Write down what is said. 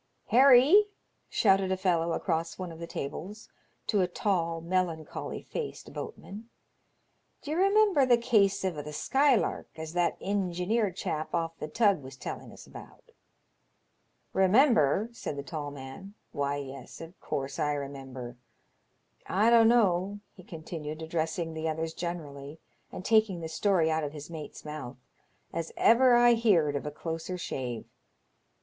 " Harry," shouted a fellow across one of the tables to a tall, melancholy faced boatman, "d'ye remember the case of the Skylark as that ingeneer chap off the tug was telling us about ?" "Eemember ?" said the tall man, " why, yes, of course I remember. I dunno," he continued, addressing the others generally, and taking the story out of his mate's mouth, " as ever I heerd of a closer shave.